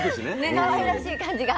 かわいらしい感じが。